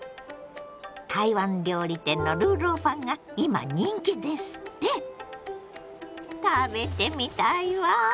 台湾料理店の魯肉飯が今人気ですって⁉食べてみたいわ。